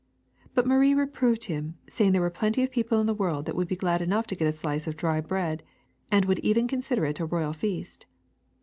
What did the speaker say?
But Marie reproved him, saying there were plenty of people in the world that would be glad enough to get a slice of dry bread and would even consider it a royal feast.